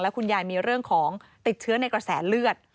คุณยายมีเรื่องของติดเชื้อในกระแสเลือด